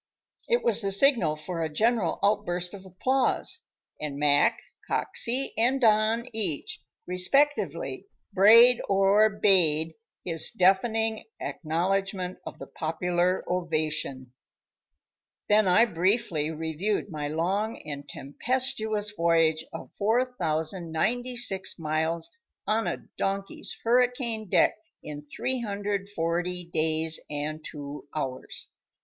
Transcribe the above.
It was the signal for a general outburst of applause; and Mac, Coxey and Don, each, respectively, brayed or bayed his deafening acknowledgment of the popular ovation. Then I briefly reviewed my long and tempestuous voyage of 4,096 miles on a donkey's hurricane deck in 340 days and two hours.